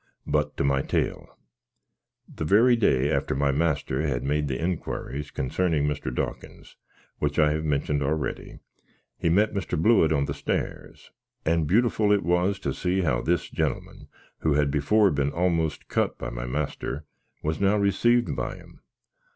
But to my tail. The very day after my master had made the inquiries concerning Mr. Dawkins, witch I have mentioned already, he met Mr. Blewitt on the stairs; and byoutiffle it was to see how this gnlman, who had before been almost cut by my master, was now received by him.